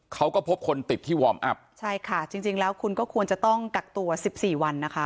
เขาก็พบคนติดที่วอร์มอัพใช่ค่ะจริงจริงแล้วคุณก็ควรจะต้องกักตัวสิบสี่วันนะคะ